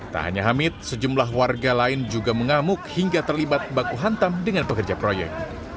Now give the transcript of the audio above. tak hanya hamid sejumlah warga lain juga mengamuk hingga terlibat baku hantam dengan pekerja proyek